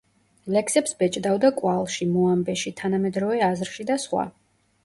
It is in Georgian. ლექსებს ბეჭდავდა „კვალში“, „მოამბეში“, „თანამედროვე აზრში“ და სხვა.